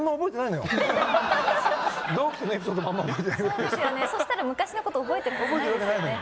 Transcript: そうですよねそしたら昔のこと覚えてるはずないですよね。